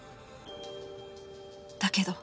だけど